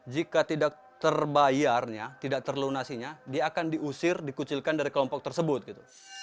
jika tidak terbayarnya tidak terlunasinya dia akan diusir dikucilkan dari kelompok tersebut gitu